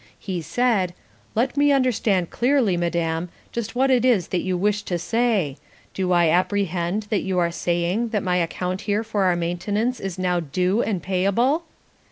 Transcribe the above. He said, "Let me understand clearly, madame, just what it is that you wish to say: do I apprehend that you are saying that my account here for our maintenance is now due and payable?"